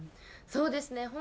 そうですね。